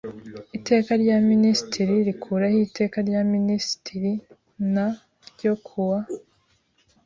Iteka rya Minisitiri rikuraho Iteka rya Minisitiri n ryo kuwa